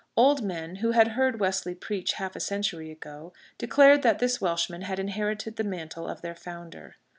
Old men, who had heard Wesley preach half a century ago, declared that this Welshman had inherited the mantle of their founder.